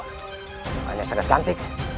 mata bojanya sangat cantik